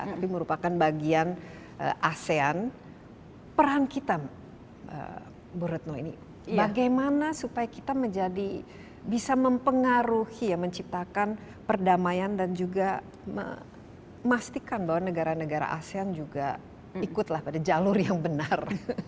tapi merupakan bagian asean peran kita bu retno ini bagaimana supaya kita menjadi bisa mempengaruhi ya menciptakan perdamaian dan juga memastikan bahwa negara negara asean juga ikutlah pada jalur yang benar